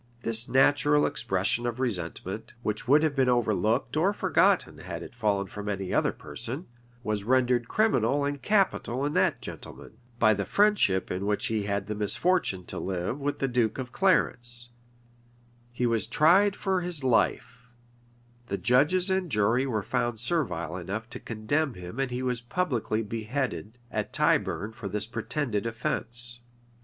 This natural expression of resentment, which would have been overlooked or forgotten had it fallen from any other person, was rendered criminal and capital in that gentleman, by the friendship in which he had the misfortune to live with the duke of Clarence; he was tried for his life; the judges and jury were found servile enough to condemn him and he was publicly beheaded at Tyburn for this pretended offence.